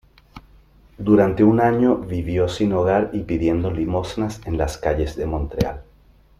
Durante un año vivió sin hogar y pidiendo limosnas en las calles de Montreal.